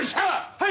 はい！